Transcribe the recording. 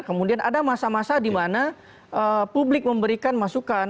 kemudian ada masa masa di mana publik memberikan masukan